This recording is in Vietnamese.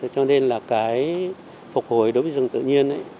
cho nên là cái phục hồi đối với rừng tự nhiên ấy